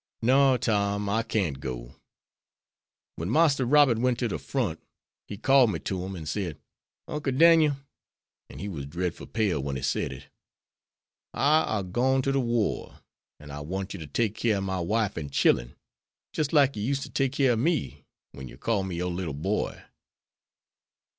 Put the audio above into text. "No, Tom; I can't go. When Marster Robert went to de front, he called me to him an' said: 'Uncle Daniel,' an' he was drefful pale when he said it, 'I are gwine to de war, an' I want yer to take keer of my wife an' chillen, jis' like yer used to take keer of me wen yer called me your little boy.'